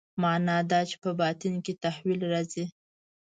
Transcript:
معنا دا چې په باطن کې تحول راځي.